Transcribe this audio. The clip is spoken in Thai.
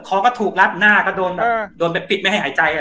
คอก็ถูกรัดหน้าก็โดนแบบโดนแบบปิดไม่ให้หายใจ